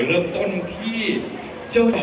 เสียงปลดมือจังกัน